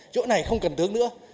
chỗ này không cần tướng nữa